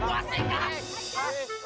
biar gua singgah